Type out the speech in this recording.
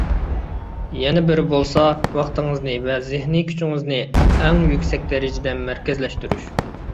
يەنە بىرى بولسا، ۋاقتىڭىزنى ۋە زېھنىي كۈچىڭىزنى ئەڭ يۈكسەك دەرىجىدە مەركەزلەشتۈرۈش.